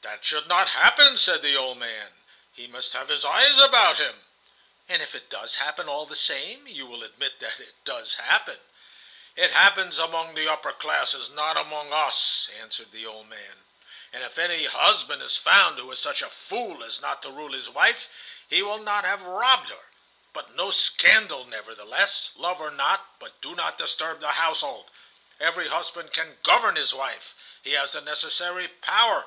"That should not happen," said the old man. "He must have his eyes about him." "And if it does happen, all the same? You will admit that it does happen?" "It happens among the upper classes, not among us," answered the old man. "And if any husband is found who is such a fool as not to rule his wife, he will not have robbed her. But no scandal, nevertheless. Love or not, but do not disturb the household. Every husband can govern his wife. He has the necessary power.